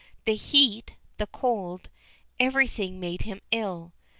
The heat, the cold everything made him ill.